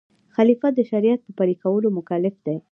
خلیفه د شریعت په پلي کولو مکلف دی.